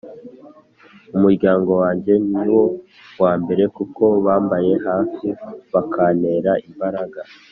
umuryango wange ni wo wa mbere kuko bambaye hafi bakantera imbaraga